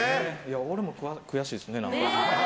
俺も悔しいですね、何か。